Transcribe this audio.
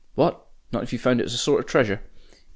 'What! not if you found it as a sort of treasure?'